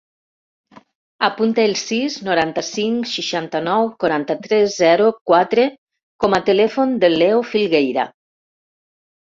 Apunta el sis, noranta-cinc, seixanta-nou, quaranta-tres, zero, quatre com a telèfon del Leo Filgueira.